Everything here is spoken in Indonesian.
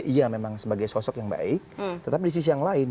iya memang sebagai sosok yang baik tetapi di sisi yang lain